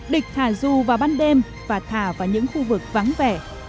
địch thả dù vào ban đêm và thả vào những khu vực vắng vẻ